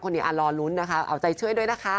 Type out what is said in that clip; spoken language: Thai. คนนี้ร้อนรุ้นนะคะเอาใจช่วยด้วยนะคะ